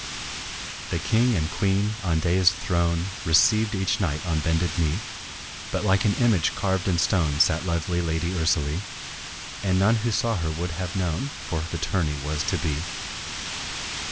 The King and Queen on daïsed throne Received each knight on bended knee; But like an image carved in stone Sat lovely Lady Ursalie And none who saw her would have known For her the tourney was to be.